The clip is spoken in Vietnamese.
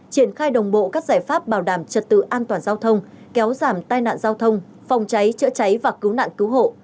triển khai đồng bộ các giải pháp bảo đảm trật tự an toàn giao thông kéo giảm tai nạn giao thông phòng cháy chữa cháy và cứu nạn cứu hộ